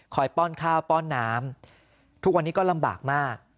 ป้อนข้าวป้อนน้ำทุกวันนี้ก็ลำบากมาก